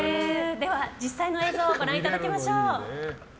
実際の映像をご覧いただきましょう。